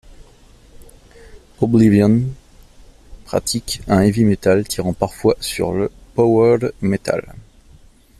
Öblivïon pratique un heavy metal tirant parfois sur le power metal.